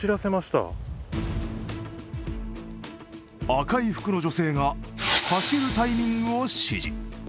赤い服の女性が走るタイミングを指示。